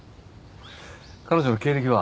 彼女の経歴は？